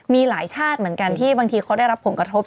มีหลายชาติเหมือนกันที่บางทีเขาได้รับผลกระทบ